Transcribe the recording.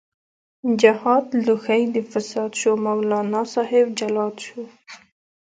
جهاد لوښۍ د فساد شو، مولانا صاحب جلاد شو